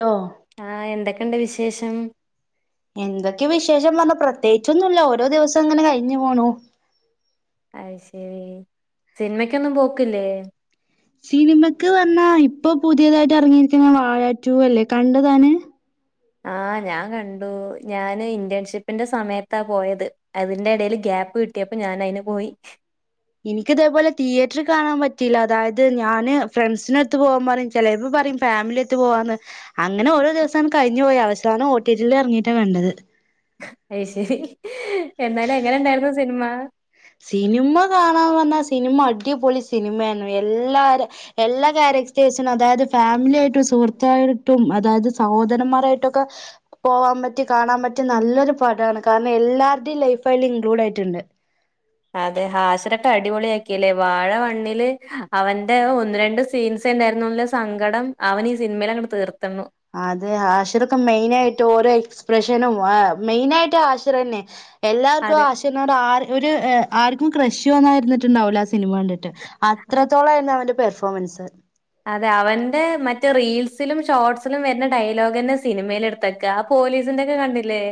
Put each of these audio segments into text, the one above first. To ആഹ് എന്തൊക്കെണ്ട് വിശേഷം? എന്തൊക്കെ വിശേഷം പറഞ്ഞ പ്രത്യേകിച്ചൊന്നുല്ല ഓരോ ദിവസം ങ്ങനെ കഴിഞ്ഞു പോണു. അഹ് ശരി സിനിമക്കൊന്നും പോക്കില്ലേ? സിനിമക്ക് പറഞ്ഞാ ഇപ്പൊ പുതിയതായിട്ട് ഇറങ്ങിയിരിക്കുന്ന വാഴാറ്റു അല്ലേ കണ്ടതാന്. ആഹ് ഞാൻ കണ്ടു ഞാന് ഇന്റേൺഷിപ്പിന്റെ സമയത്താ പോയത്. അതിന്റെ ഇടയിൽ ഗ്യാപ്പ് കിട്ടിയപ്പോ ഞാൻ അയ്ന് പോയി. ഇനിക്ക് ഇതേപോലെ തിയേറ്റർ കാണാൻ പറ്റില്ല അതായത് ഞാന് ഫ്രണ്ട്സിനടുത്ത് പോവാാൻ പറി ചെലെപ്പോ പറയും ഫാമിലിട്ട് പോവാന്ന്. അങ്ങനെ ഓരോദിവസങ് കഴിഞ് പോയാ അവസാനൊ ഒ ടി ടിൽ ഇറങ്ങീട്ടാ കണ്ടത്. അയ്ശരി എന്നാലും എങ്ങനെ ഇണ്ടായിരുന്നു സിനിമ. സിനിമ കാണാൻ വന്ന സിനിമ അടിപൊളി സിനിമേണ് എല്ലാരും. എല്ലാ കാരക്ടേഴ്സിനും അതായത് ഫാമിലിയായിട്ടും സുഹൃത്തായിട്ടും അതായത് സഹോദരന്മാരായിട്ടൊക്കെ. പോവാൻ പറ്റ്യ കാണാൻ പറ്റ്യ നല്ലൊരു പാടാണ് കാരണം എല്ലാര്ടെയും ലൈഫായ്ട്ട് ഇൻക്ലൂഡ് ആയിട്ടുണ്ട്. അതെ ഹാസിരക്കെ അടിപൊളിയാക്കില്ലേ വാഴവണ്ണില് അവന്റെ ഒന്ന് രണ്ട് സ് സീൻസ്ണ്ടായിരുന്നുല്ല സങ്കടം അവൻ ഈ സിനിമയിൽ അങ്ങട്ട് തീർത്തന്നു അതെ ഹാഷിറൊക്കെ മെയിനായിട്ട് ഓരോ എക്സ്പ്രഷനും ആ മെയിനായിട്ട് ആഷിറെന്നെ. എല്ലാർക്കും അതെ ആശിറിനോട് ആ ഒരു ആർക്കും ക്രഷോന്ന വരുന്നിട്ടുണ്ടാവൂലാസ് സിനിമ കണ്ടിട്ട് അത്രത്തോളായിരുന്നു അവന്റെ പെർഫോമൻസ്. അതെ അവന്റെ മറ്റെ റീൽസിലും ഷോർട്സിലും വരുന്ന ഡയലോഗന്നെ സിനിമേലെടുത്ത്. തക്കാ പോലീസിന്റെറക്കെ കണ്ടില്ലേ.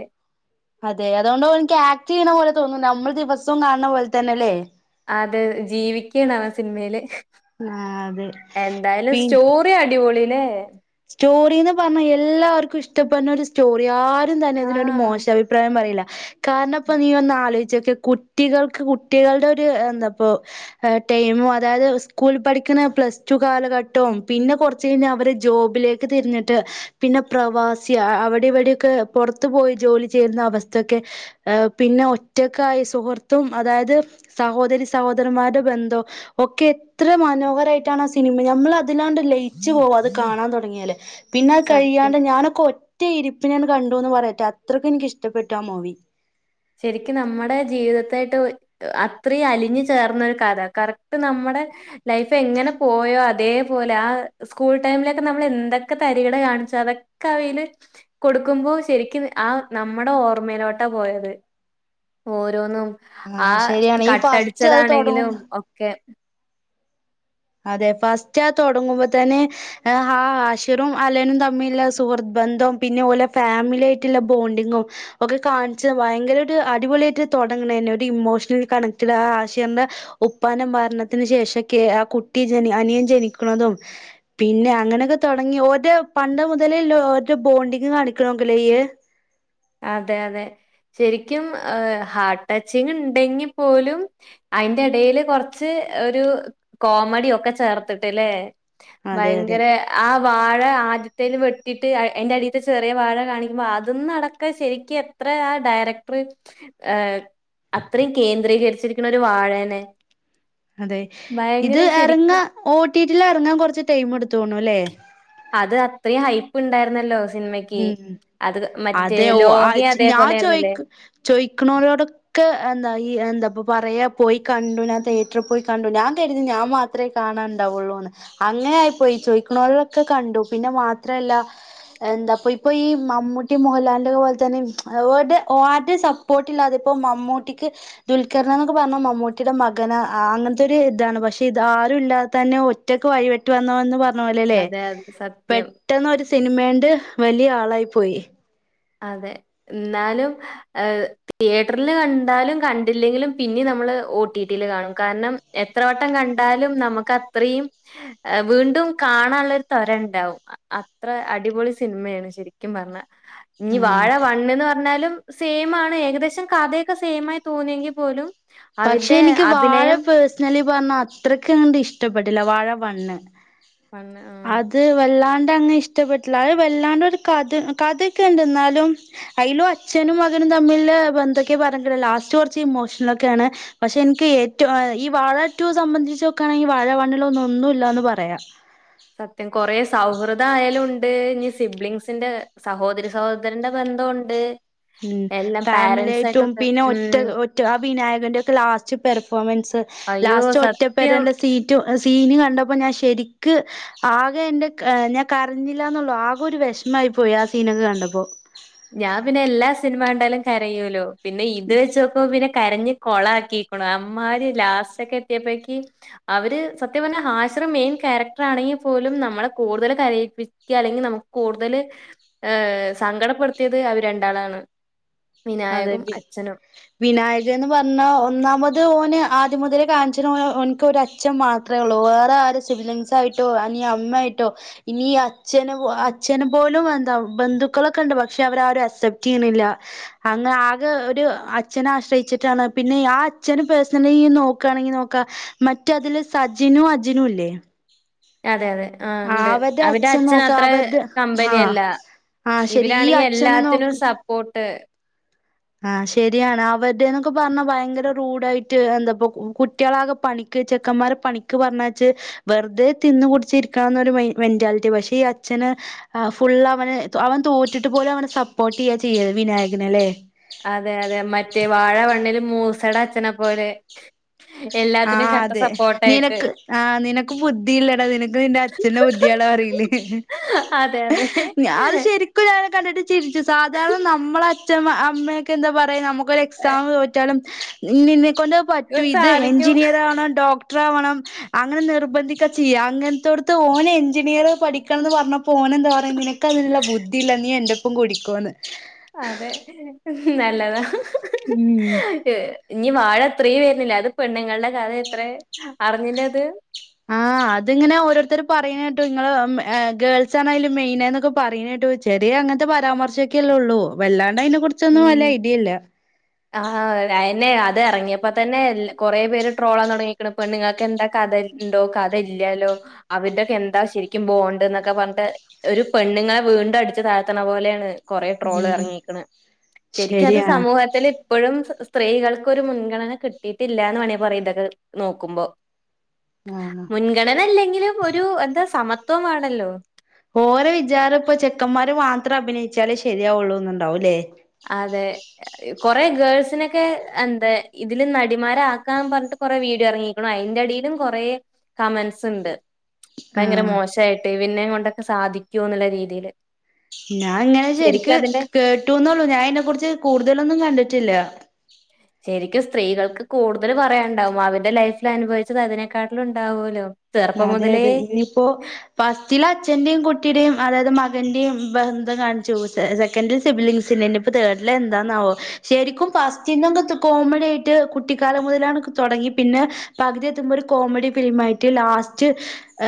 അതെ അതോണ്ട് ഓൻക്ക് ആക്ട്യ്യണ പോലെ തോന്നില്ല നമ്മൾ ദിവസവും കാണ പോലെ തന്നെല്ലേ. അതെ ജീവിക്കേണ് അവൻ സിനിമേല്. ആഹ് അതെ പി പി അടിപൊളിലെ. സ്റ്റോറിന്ന് പറഞ്ഞാ എല്ലാവർക്കും ഇഷ്ടപ്പെട ഒരു സ്റ്റോറി ആരും തന്നെ അതിനൊരു ആഹ്. മോശഭി പ്രായം പറീല്ല. കാരണം ഇപ്പൊ നീ ഒന്ന് ആലോയ്ചോക്ക്യ കുട്ടികൾക്ക് കുട്ടികളുടെ ഒരു എന്താപ്പൊ. എഹ് ടൈമും അതായത് സ്കൂളിൽ പഠിക്കുന്ന പ്ലസ് ടു കാലഘട്ടവും പിന്നെ കുറച്ച് കഴിഞ്ഞൽ അവര്. ജോബിലേക്ക് തിരിഞ്ഞിട്ട്. പിന്നെ പ്രവാസി അവിടെ ഇവിടെയൊക്കെ പുറത്തു പോയി ജോലി ചെയ്യുന്ന അവസ്ഥൊക്കെ. എഹ് പിന്നെ ഒറ്റക്കായി സുഹൃത്തും അതായത് സഹോദരി സഹോദരമാരുടെ ബന്ധം. ഒക്കെ എത്ര മനോഹരായിട്ടാണ് ആ സിനിമ നമ്മൾ അതിലാണ്ട് ലയിച്ചു പോവാ അത്. കാണാൻ തുടങ്യാല് പിന്നെ അത് സത്യം. കഴിയാണ്ട് ഞാനൊക്കൊ റ്റ ഇരിപ്പിനാണ്ട് കണ്ടുന്ന് പറയട്ടെ അത്രയ്ക്കും എനിക്കിഷ്ടപ്പെട്ടു ആ മൂവി ശരിക്കും നമ്മുടെ ജീവിതത്തായിട്ട് എഹ് അത്രയും അലിഞ്ഞ് ചേർന്നൊരു കഥ കറക്റ്റ് നമ്മടെ ലൈഫ് എങ്ങനെ പോയോ അതേപോലെ ആ സ്കൂൾ ടൈമിലൊക്കെ നമ്മൾ എന്തൊക്കെ തരികിട കാണിച്ചോ അതൊ ക്കയില് കൊടുക്കുമ്പോ ശരിക്കും ആ നമ്മുടെ ഓർമ്മയിലോട്ടാ പോയത് ഓരോന്നും ആ ശരിയാണ് ഈ ഫസ്റ്റ് അത് കട്ടടിച്ചതാണെങ്കിലും തുടങ്ങുമ്പോ ഒക്കെ അതെ ഫസ്റ്റ് ആ തൊടങ്ങുമ്പൊ തന്നെ എഹ് ആ ആഷിറും അലനും തമ്മിലുള്ള സുഹൃത്ത്ബന്ധവും പിന്നെ ഓലെ ഫാമിലി ആയിറ്റ്ള്ള ബോണ്ടിങ്ങും ഒക്കെ കാണിച്ച് ഭയങ്കര ഒരു അടിപൊളിയായിട്ട് തൊടങ്ങ്ണ്തന്നെ ഒരു ഇമോഷണലി കണക്റ്റഡ് ആ ആശിർന്റെ ഉപ്പാന്റെ മരണത്തിന് ശേഷെക്കെ ആ കുട്ടി ജനി അനിയൻ ജനിക്ക്ണതും പിന്നെ അങ്ങനെ ഒക്കെ തൊടങ്ങി ഓര്ടെ പണ്ട്മുതലേ ഇല്ലെ ഓരെ ബോണ്ടിങ് കാണിക്ക്ണൊക്കെ ഇല്ലെ അയ്യ് അതെ അതെ ശെരിക്കും ഹാർട്ട് ടച്ചിങ് ഇണ്ടെങ്കി പോലും അയ്ന്റെ എടേല് കൊർച്ച് ഒരു കോമഡി ഒക്കെ ചേർത്ത്ട്ട്ല്ലേ അതെ അതെ ഭയങ്കെരെ ആ വാഴ ആദ്യത്തേല് വെട്ടിട്ട് ഐ അയ്ന്റെ അടീത്തെ ചെറിയ വാഴ കാണിക്കുമ്പൊ അതും നട ക്കെ ശരിക്ക്യു എത്ര ആ ഡയറക്ടർ ഏഹ് അത്രയും കേന്ദ്രീകരിച്ചിരിക്ക്ണ് ഒരു വാഴേനെ അതെ ഇത് ഭയങ്കര ശരിക്കും എറങ്ങാൻ ഓട്ടീട്ടില് എറങ്ങാൻ കൊറച്ച് ടൈം ഇട്ത്ത്ക്ക്ണുല്ലേ അത് അത്രയും ഹൈപ്പ് ഇണ്ടായിരുന്നല്ലോ സിനിമയ്ക്ക് ഉം അത് മറ്റേ അതെ ഓഹ് ആ ലോകയും ഞാൻ അതേപോലെ ആയിരുന്നില്ലേ? ചോയിക് ചോയ്ക്ക്ണോലോടൊ ക്കെ എന്താ ഈ എന്താപ്പൊ പറയാ പോയി കണ്ടു ഞാൻ തിയേറ്ററിൽ പോയി കണ്ടു ഞാൻ കെരുതി ഞാൻ മാ ത്രേ കാണാൻണ്ടാവൊള്ളൂന്ന് അങ്ങനെ ആയിപ്പോയി ചോയ്ക്ക്ണോലൊക്കെ കണ്ടു പിന്നെ മാത്രല്ല എന്താ പ്പൊ ഇപ്പൊ ഈ മമ്മൂട്ടി മോഹൻലാലിന്റെ പോലെ തന്നെ അവര്ടെ ആര്ടിം സ പ്പോർട്ടില്ലാതെ ഇപ്പോ മമ്മൂട്ടിക്ക് ദുൽക്കർന് ന്നൊക്കെ പർഞ്ഞ മമ്മൂട്ടിയുടെ മകന് ആ അങ്ങൻത്തെ ഒരു ഇതാണ് പക്ഷെ ഇത് ആരും ഇല്ലാതെതന്നെ ഒറ്റക്ക് വഴി വെട്ടി വന്നവൻ ന്ന് പറഞ്ഞപോലെ ല്ലേ അതെ, അതെ പെ സത്യം. ട്ടെന്ന് ഒരു സിനിമേന്റെ വലിയ ആളായിപ്പോയി അതെ ഇന്നാലും എഹ് തിയേറ്ററിൽ കണ്ടാലും കണ്ടില്ലെങ്കിലും പിന്നിം നമ്മള് ഒ ട്ടി ട്ടിയില് കാണും കാരണം എത്ര വട്ടം കണ്ടാലും നമുക്ക് അത്രീം എഹ് വീണ്ടും കാണാൻള്ളൊരു ത്വര ഇണ്ടാവും അ അത്രെ അടിപൊളി സിൻമ്മേണ് ശരിക്കും പർഞ്ഞാ ഇനി ഉം വാഴ വണ്ണ്ന്ന് പറഞ്ഞാലും സെയിം ആണ് ഏകദേശം കഥയൊക്കെ സെയിംആയി തോന്നിയെങ്കി പോലും പക്ഷെ അവരുടെ എനിക്ക് വാഴ അഭിനയം പേഴ്സ്ണലി പറഞ്ഞ അത്രയ്ക്ക് അങ്ങണ്ട് ഇഷ്ടപ്പെട്ടില്ല വാഴ വണ്ണ് വണ്ണ് ആഹ് ആഹ് അത് വെല്ലാണ്ട് അങ്ങ് ഇഷ്ടപ്പെട്ടില്ല അത്‌ വല്ലാണ്ട് ഒരു കഥ കഥൊക്കെ ഇണ്ട് ന്നാലും അയ്ലും അച്ഛനും മകനും തമ്മിലുള്ള ബന്ധം ഒക്കെ പറഞ്ഞ്ട്ട്ള്ളെ ലാസ്റ്റ് കൊർച്ച് ഇമോഷണൽ ഒക്കെയാണ് പക്ഷെ എനിക്ക് ഏറ്റവും ഈ വാഴ ടൂ സംബന്ധിച്ച് നോക്കാണെങ്കിൽ വാഴ വണ്ണിലൊന്നും ഒന്നുല്ലാന്ന് പറയാം സത്യം കൊറേ സൗഹൃദം ആയാലും ഉണ്ട് ഇഞ് സിബ്ലിംങ്‌സിന്റെ സഹോദരി സഹോദരന്റെ ബന്ധവുണ്ട് ഉം എല്ലാം പാരന്റ്സ് ഫാമിലിയായിട്ടും ആയിട്ടുണ്ട്. പിന്നെ ഒറ്റ ഉം. ഒറ്റ ആ വിനായകന്റെ ഒക്കെ ലാസ്റ്റ് പെർഫോമൻസ് അയ്യോ ലാസ്റ്റ് സത്യം ഒറ്റപ്പെരേലെ സീറ്റ് സീന് കണ്ടപ്പോ ഞാൻ ശരിക്ക് ആകെ എന്റെ ക ഞാൻ കരഞ്ഞില്ലാന്നൊള്ളൂ ആകെ ഒരു വെഷ്മായി പോയി ആ സീനൊക്കെ കണ്ടപ്പൊ ഞാൻ പിന്നെ എല്ലാ സിനിമ കണ്ടാലും കരയോലോ പിന്നെ ഇത് വെച്ചോക്കുമ്പൊ പിന്നെ കരഞ്ഞ് കൊളാക്കിക്ക്ണു അമ്മാരി ലാസ്റ്റ് ഒക്കെ എത്തിയപ്പഴേക്ക് അവര് സത്യം പറഞ്ഞാ ഹാഷിർ മെയിൻ ക്യാരക്ടർ ആണെങ്കി പോലും നമ്മളെ കൂട്തല് കരയിപ്പിക്ക്യാ അല്ലെങ്കി നമു കൂടുതൽ ഏഹ് സങ്കടപ്പെടുത്തിയത് അവര് രണ്ടാളാണ് അതെ വിനായകും വി അച്ഛനും വിനായകൻ എന്ന് പറഞ്ഞ ഒന്നാമത് ഓന് ആദ്യം മുതലേ കാണിച്ച്ണത് ഓൻക്ക് അച്ചൻ മാത്രമേ ഉള്ളൂ വേറെ ആരും ഒരു സിബ്ലിംഗങ്സ്സായിട്ടോ എനി അമ്മയായിട്ടോ ഇനി അച്ഛന് അച്ഛന് പോലും എന്താ ബന്ധുക്കളൊക്കെണ്ട് പക്ഷെ അവര് ആരും അസ പ്റ്റയ്യ്ണില്ല അന്ന് ആകെ ഒരു അച്ഛനെ ആശ്രയിച്ചിട്ടാണ് പിന്നെ ആ അച്ഛന് പേഴ്സണലി നോക്കയാണെങ്കി നോക്കാ മറ്റതില് സജിനും അജിനും ഇല്ലേ അതെ അതെ ആഹ് ഇണ്ട് അവരുടെ അവര്ടെ അച്ഛൻ നോക്ക അച്ഛനത്ര അവരുടെ ആ കമ്പനി അല്ല ആ ശരി ഈ ഇവരാണെങ്കിൽ അച്ഛനെ നോക്ക എല്ലാത്തിനും സപ്പോർട്ട് ആഹ് ശരിയാണ് അവരുടെന്നൊക്കെ പറഞ്ഞാ ഭയങ്കര റൂഡ് ആയിട്ട് എന്താപ്പം കുട്ടികളാകെ പണി ക്ക് ചെക്കന്മാരെ പണിക്ക് പറഞ്ഞായച്ച് വെറുതെ തിന്ന് കുടിച്ചിരിക്കന്നൊരു മെ മെന്റാലിറ്റി പക്ഷെ ഈ അച്ഛന് ആഹ് ഫുള്ള് അവന് അവൻ തോറ്റിട്ട് പോലും അവനെ സപ്പോർട്ട് ചെയ്യ ചെയ്യണത് വിനായകന് ല്ലേ അതെ അതെ മറ്റേ വാഴ വണ്ണില് മൂസേട അച്ഛനെ പോലെ എല്ലാത്തിനും ആഹ് കട്ട അതെ സപ്പോർട്ടായിട്ട് നിനക്ക് ആഹ് നിനക്ക് ബുദ്ധിയില്ലടാ നിനക്ക് നിന്റെ അച്ഛൻ്റെ ബുദ്ധിയാട പറയില്ലേ അതെ, അതെ. അത് ശരി ക്കും ഞാൻ കണ്ടിട്ട് ചിരിച്ചു സാധാരണ നമ്മളെ അച്ഛമ്മ അമ്മയൊക്കെ എന്താ പറയാ നമു എക്സാം തോറ്റാലും നിന്നെക്കൊണ്ട് അത് പറ്റൂ ഇത് എ സാധിക്കും. ണം ഡോക്ടർ ആവണം അങ്ങനെ നിർബന്ധിക്ക ചെയ്യ അങ്ങനത്തൊടുത്ത് ഓൻ എഞ്ചിനീയർ പഠിക്കണം എന്ന് പറഞ്ഞപ്പോ പോനെന്താ പറയാന്ന് നിനക്ക് അതിനുള്ള ബുദ്ധിയില്ല നീ എന്റെപ്പം കുടിക്കോന്ന് അതെ നല്ലതാ ഉം ഇഞ്ഞി വാഴ ത്രീ വരുന്നില്ലേ അത് പെണ്ണുങ്ങളുടെ കഥ അത്രെ അറിഞ്ഞില്ലേത് ആഹ് അത്ങ്ങനെ ഓരോരുത്തർ പറയണ കേട്ടോ നിങ്ങള് ഗേൾസ് ആണയ്‌ല് മെയിനെന്നൊക്കെ പറയണ കേട്ടു വെ ചെറിയ അങ്ങനത്തെ പരാമർശംക്കെല്ലേ ഉള്ളൂ വല്ലാണ്ട് അതിനെ കൊ [inaudible] [inaudible] ആഹ് അതന്നെ അത് ഇറങ്ങിയപ്പോ തന്നെ കൊറേ പേര് ട്രോളാൻ തുടങ്ങയിക്കണ് പെണ്ണുങ്ങൾക്ക് എന്താ കഥ ഉണ്ടോ അഥ ഇല്ലാലോ അവരിടെക്കെ എന്താ ശരിക്കും ബോണ്ട് എന്നൊക്കെ പറഞ്ഞി ഒരു പെണ്ണുങ്ങളെ വീണ്ടും അടിച്ചു താഴ്ത്തണ പോലെയാണ് കുറെ ട്രോള് ഉം ഇറങ്ങിരിക്കണ് ശരിക്കത് ശരിയാണ് സമൂഹത്തില് ഇപ്പോഴും സ്ത്രീകൾക്കൊരു മുൻഗണന കിട്ടിയിട്ടില്ലാന്ന് വേണെങ്കിൽ പറയ ഇതൊക്കെ നോക്കുമ്പോൾ ആഹ് മുൻഗണനല്ലെങ്കിലും ഒരു എന്താ സമത്വം വേണല്ലോ ഓരെ വിചാരം ഇപ്പം ചെക്കന്മാര് മാത്രം അഭിനയിച്ചാലേ ശരിയാവുള്ളൂന്ന്ണ്ടാവൂല്ലേ അതെ കൊറെ ഗേൾസിനൊക്കെ എന്താ ഇതില് നടിമാരാക്കാന്ന് പറഞ്ഞിട്ട് കൊറെ വീഡിയോ ഇറങ്ങി ക്ക്ണ് അയിന്റെ അടിയിലും കൊറേ കമന്റ്സ്ണ്ട് ഭയങ്കര ആഹ് മോശായിട്ട് ഇവര്ന്നെയും കൊണ്ടൊക്കെ സാധിക്കൂ എന്നുള്ള രീതിയില് ഞാൻ ഇങ്ങനെ ശരിക്കും ശരിക്ക് അതിന്റെ കേട്ടുന്നൊള്ളു ഞാൻ അതിനെ കുറിച്ച് കൂടുതലൊന്നും കണ്ടിട്ടില്ല ശരിക്കും സ്ത്രീകൾക്ക് കൂടുതൽ പറയാണ്ടാവും അവരുടെ ലൈഫിൽ അനുഭവിച്ചത് അതിനെക്കാട്ടിലും ഉണ്ടാവുല്ലോ അതെ അതെ ഇനിയിപ്പോ ഫസ്റ്റില് അച്ഛന്റെയും കുട്ടിയുടെയും അതായത് മകന്റെയും ബന്ധം കാണിച്ചു സെക്കൻഡിൽ സിബ്ലിംഗസിന്റെ തേഡില് എന്താന്നാവോ ശരിക്കും ഫസ്റ്റ്ങ്ങന്ന് കോമഡി ആയിട്ട് കുട്ടിക്കാലം മുതലാണ് തോടങ്ങി പിന്നെ പകുതി എത്തുമ്പോ ഒരു കോമഡി ഫിലിം ആയിട്ട് ലാസ്റ്റ്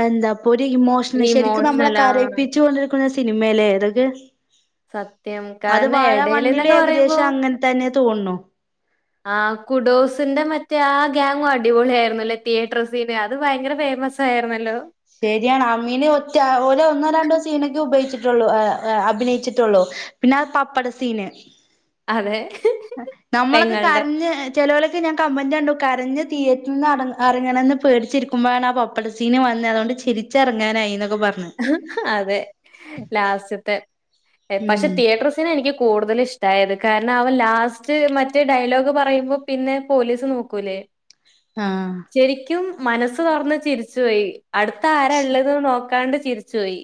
എന്താപ്പോ ഒരു ഇമോ ഉം ഒരു ശെരിക്ക് നമ്മളെ ഇമോഷണൽ ആ കരയിപ്പിച്ചോണ്ടിരിക്ക്ണൊരു സിനിമേലെ സത്യം [unintelligible] അത് കാരണം വാഴ എടേല്ന്നൊക്കെ പറയുമ്പോ വണ്ണിലേകദേശം അങ്ങൻ തെന്നെ തോൺണു. ആഹ് കുഡോസിന്റെ മറ്റേ ആ ഗ്യാങ്ങും അടിപൊളിയായിരുന്നു ല്ലേ തിയേറ്റർ സീന് അത് ഭയങ്കര ഫെയ്മസ് സായിരുന്നല്ലോ. ശെര്യാണ് അമീന് ഒറ്റ ഓലൊന്നോ രണ്ടോ സീനൊക്കെ ഉപയോഗിച്ചിട്ടൊള്ളൂ. ആ അ അഭിനയിച്ചിട്ടൊള്ളു. പിന്നെ അത് പപ്പടസീന്. അതെ നമ്മളൊക്കെ പെങ്ങളുടെ കര്ഞ്ഞ് ചെലോലൊക്കെ ഞാൻ കമൻ്റണ്ടു കരഞ്ഞ് തിയേറ്റ്ർന്ന് അറ അറങ്ങണെന്ന് പേടിച്ചിരിക്കുമ്പഴാണ് ആ പപ് ടസീന് വന്ന് അതോണ്ട് ചിരിച്ചെറങ്ങാനായി ന്നൊക്കെ പർ അതെ ലാസ്റ്റ്ത്തെ പക്ഷെ ഉം തിയേറ്റർ സ് തെനെനിക്ക് കൂടുതല്ഷ്ട്ടായത് കാരണം അവൻ ലാസ്റ്റ് മറ്റേ ഡയലോഗ് പറയുമ്പോ പിന്നെ പോലീസ് നോക്കൂലേ ആഹ് ശെരിക്കും മനസ് തൊറന്ന് ചിരിച്ചോയി അട്ത്താരാള്ളത് നോ കാണ്ട് ചിരിച്ചോയി.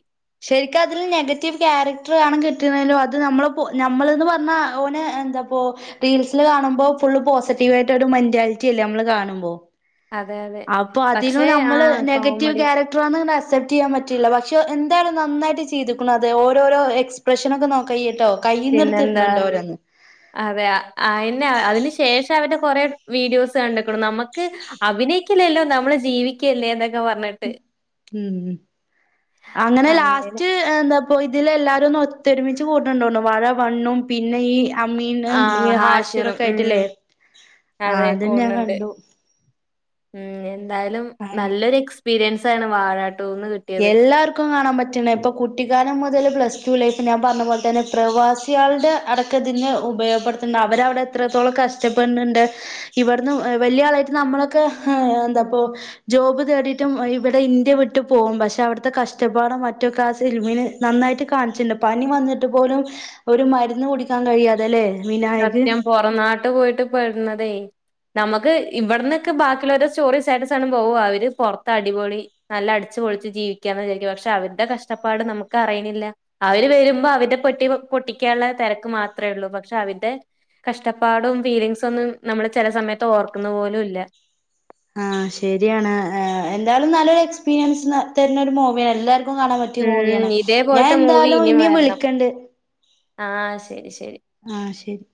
ശെരിക്കും അതിൽ നെഗറ്റീവ് ക്യാരക്ടറാണ് കിട്ടീണേല്വാത് നമ്മളപ്പൊ നമ്മള്ന്ന് പർഞ്ഞാ ഓനേ എ ന്താപ്പോ റീൽസില് കാണുമ്പോ ഫുള്ള് പോസിറ്റീവായിട്ടൊരു മെന്റാലിറ്റ്യല്ലേ അമ്മള് കാണുമ്പോ അതെ യതെ അപ്പൊ അതിലും നമ്മള് നെഗറ്റീവ് ക്യാരക് ക്ടറോന്നോണ്ടസെപ്റ്റെയ്യാ പറ്റില്ല പക്ഷെ എന്തായാലും നന്നായിട്ട് ചെയ്ത്ക്കുണത് ഓരോരോ എക്സ് പ്രശനൊക്കെ നോക്കയ്യ്ട്ടോ പിന്നെന്താ? അതെ അയ്ന്ന അതിന് ശേഷം അവര് കൊറെ വീഡിയോസ് കണ്ട്ക്ക്ണ് നമക്ക് അഭിനയിക്ക്യല്ലല്ലോ നമ്മള് ജീവിക്ക്യല്ലേ ന്നൊക്കെ പർഞ്ഞ് ഉം ഉം അങ്ങനെ ലാസ്റ്റ് എന്താപോ ഇതിലല്ലാരൊന്ന് ഒത്തൊരുമിച്ച് കൂട്ണ് ണ്ടോന്ന്ണു വാഴ വണ്ണും പിന്നെ ഈ അമ്മീനും ഈ ആഹ് ഹാഷിറും. ഹാഷിറോക്കായിട്ട്ല്ലേ ആഹ് അത് ഞാൻ കണ്ടു. ഉം എന്തായാലും അങ്ങനെ നല്ലൊരെക്സ്പീരിയൻസാണ് വാഴാ ട്ടൂന്ന് കി എല്ലാർക്കും കാണാ പറ്റ്ണെ പ്പൊ കുട്ടിക്കാലം മുതല് പ്ലസ് ടു ലൈഫ് ഞാൻ പർഞ്ഞ പോൽ തെന്നെ പ്രവാസ് സ്യാൾടെ അടക്കതിന്ന് ഉപയോഗപ്പെട്ത്ത്ണ്ട് അവര വടെ എത്രത്തോളം കഷ്ട്ടപ്പെട്ണ് ണ്ട് ഇവട്ന്ന് എഹ് വെല്ല്യാളായിട്ട് നമ്മളൊക്കെ ഏഹ് എന്തപ്പോ ജോബ് തേടിട്ടും ഇവടെ ഇന്ത്യ വിട്ട് പോവും പക്ഷെ അവ്ട്ത്തെ കഷ്ടപ്പാടും മറ്റൊക്കെ ആസിൽമീന്ന് നന്നായിട്ട് കാൺച്ചിണ്ട് പനി വന്ന്ട്ട് പോലും ഒരു മര്ന്ന് കുടിക്കാൻ കഴിയാതെല്ലെ സത്യം പൊറംനാട്ട് പോയിട്ട് പെട്ന്നതെയ്. നമക്ക് ഇവട്ന്നൊക്കെ ബാക്കിള്ളോരെ സ്റ്റോറി, സ്റ്റാറ്റസാണുമ്പൊ ഓഹ് അവര് പോർത്തടിപൊളി നല്ല അടിച്ച് പൊളിച്ച് ജീവിക്ക്യാന്ന് വിചാരിക്കും പക്ഷെ അവര്ടെ കഷ്ടപ്പാട് നമക്കറീണില്ല. അവര് വെരുമ്പോ അവര്ടെ പെട്ടി പൊട്ടിക്കാള്ള തെരക്ക് മാത്രേള്ളൂ പക്ഷെ അവര് ടെ കഷ്ടപ്പാടും ഫീലിങ്സൊന്നും നമ്മള് ചെലെ സമയത്ത് ഓർക്കുന്നപോലു ല്ല. ആഹ് ശെര്യാണ് ഏഹ് എന്തായാലും നല്ലൊരെക്സ്പീരിയൻസ് ന്ന തെര്ന്നൊരു മൂവിയാ എല്ലാർ ക്കും കാണാ പറ്റ്യ മൂവ്യാണ്. ഉം ഞാൻ ഇതേപോലത്തെ മൂവി എന്തായാലും ഇനിയും വരണം വിളിക്കണ്ട്. ആഹ് ശെരി ശെരി. ആഹ് ശെരി.